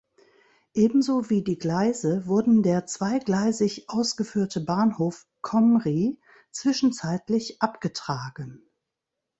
Ebenso wie die Gleise wurden der zweigleisig ausgeführte Bahnhof Comrie zwischenzeitlich abgetragen.